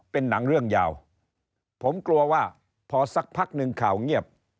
เป็นหนังเรื่องยาวผมกลัวว่าพอสักพักหนึ่งข่าวเงียบ